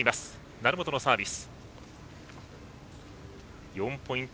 成本のサービス。